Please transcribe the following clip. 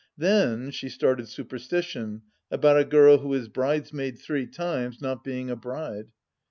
Then she started superstition, about a girl who is bridesmaid three times not being a bride.